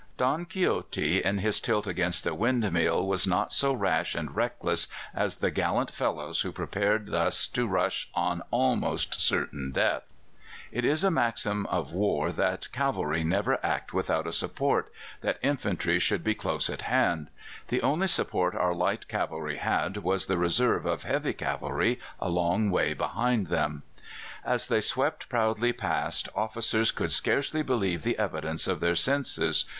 Don Quixote in his tilt against the windmill was not so rash and reckless as the gallant fellows who prepared thus to rush on almost certain death. It is a maxim of war that "cavalry never act without a support," that infantry should be close at hand. The only support our light cavalry had was the reserve of heavy cavalry a long way behind them. As they swept proudly past, officers could scarcely believe the evidence of their senses.